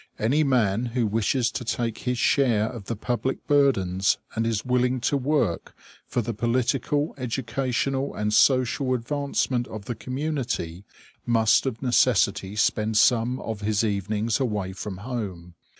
Any man who wishes to take his share of the public burdens and is willing to work for the political, educational, and social advancement of the community must of necessity spend some of his evenings away from home.